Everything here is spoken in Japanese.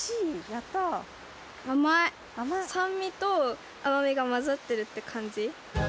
やった甘い酸味と甘みが混ざってるって感じ